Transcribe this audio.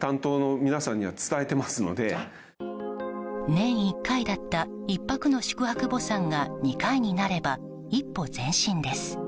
年１回だった１泊の宿泊墓参が２回になれば一歩前進です。